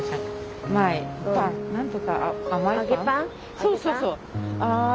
そうそうそう。